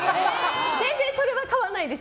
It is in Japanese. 全然それは買わないです。